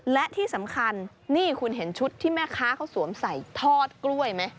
และที่สำคัญนี่คุณเห็นชุดที่แม่ค้าเขาสวมใส่ทอดกล้วยไหม